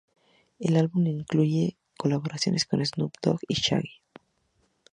El álbum incluye colaboraciones con Snoop Dogg y Shaggy.